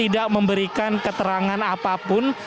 lampu lampu lampu